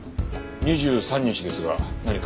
２３日ですが何か？